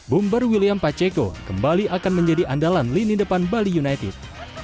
boomber william pacheko kembali akan menjadi andalan lini depan bali united